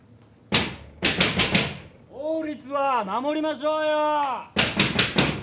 法律は守りましょうよ！